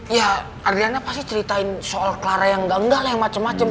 ya adriana pasti ceritain soal clara yang ganggal yang macem macem